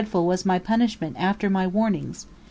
P: Now taste My punishment after My warnings!